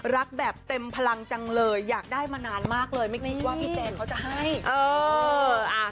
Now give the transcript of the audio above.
รักแบบเต็มพลังจังเลยอยากได้มานานมากเลยไม่คิดว่าพี่แจงเขาจะให้เออ